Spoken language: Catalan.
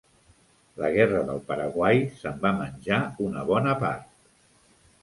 La guerra del Paraguai se'n va menjar una bona part.